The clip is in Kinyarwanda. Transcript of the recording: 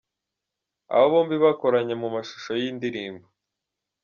Aba bombi bakoranye mu mashusho y’indirimbo.